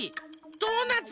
ドーナツ。